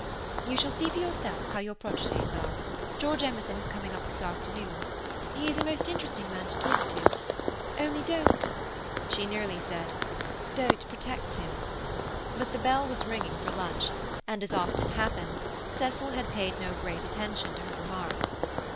"You shall see for yourself how your protégés are. George Emerson is coming up this afternoon. He is a most interesting man to talk to. Only don't—" She nearly said, "Don't protect him." But the bell was ringing for lunch, and, as often happened, Cecil had paid no great attention to her remarks.